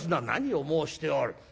「何を申しておる。